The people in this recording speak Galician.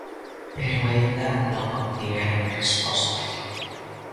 Pero aínda non obtiveron resposta.